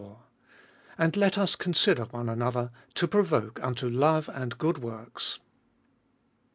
— 24. And let us consider one another, to provoke unto love and good works.